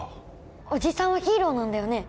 おじさんはヒーローなんだよね？